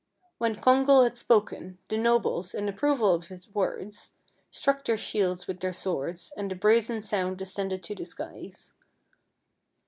When Congal had spoken, the nobles, in ap proval of his words, struck their shields with their swords, and the brazen sound ascended to the skies.